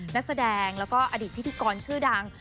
นักแสดงแล้วก็อดีตพิธีกรชื่อดัง